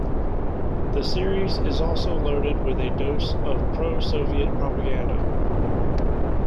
The series is also loaded with a dose of pro-Soviet propaganda.